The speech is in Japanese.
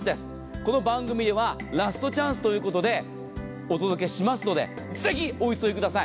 この番組ではラストチャンスということでお届けしますのでぜひお急ぎください。